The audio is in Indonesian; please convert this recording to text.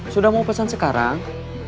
sudah mau pesan sekarang